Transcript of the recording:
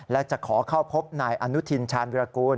และจะขอเข้าพบนายอนุทินชาญวิรากูล